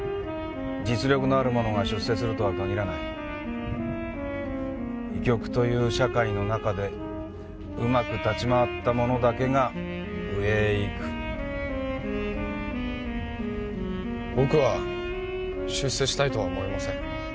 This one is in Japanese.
実力のある者が出世するとは限らない医局という社会の中でうまく立ち回った者だけが上へ行く僕は出世したいとは思いません